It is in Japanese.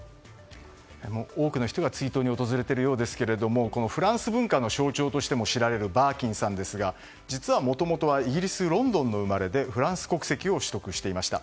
多くの人が追悼に訪れているようですがフランス文化の象徴としても知られるバーキンさんですが実はもともとはイギリス・ロンドンの生まれでフランス国籍を取得していました。